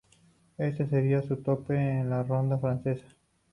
Éste seria su tope en la ronda francesa.